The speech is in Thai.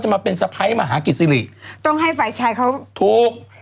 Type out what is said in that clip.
จะมาเป็นสะไพร์มาหากิสิริต้องให้ฝ่ายชายเค้าถูกแล้ว